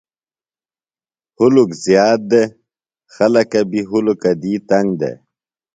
ہُلک زیات دےۡ۔ خلکہ بیۡ ہُلکہ دی تنگ دےۡ۔